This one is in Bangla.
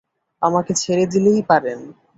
আমাকে ছেড়ে দিলেই পারেন।